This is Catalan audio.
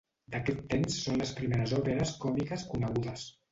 D'aquest temps són les primeres òperes còmiques conegudes.